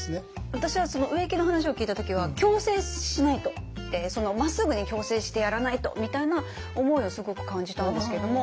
私はその植木の話を聞いた時は矯正しないとまっすぐに矯正してやらないとみたいな思いをすごく感じたんですけども。